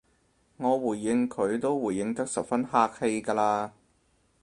我回應佢都回應得十分客氣㗎喇